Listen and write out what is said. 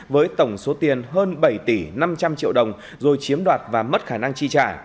với tổng số tiền hơn bảy tỷ năm trăm linh triệu đồng rồi chiếm đoạt và mất khả năng chi trả